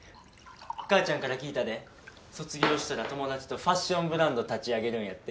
母ちゃんから聞いたで卒業したら友達とファッションブランド立ち上げるんやって？